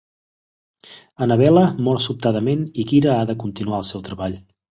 Annabella mor sobtadament, i Kira ha de continuar el seu treball.